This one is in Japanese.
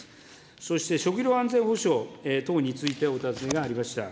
そして食料安全保障等について、お尋ねがありました。